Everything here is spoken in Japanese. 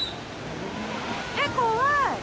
えっ、怖い。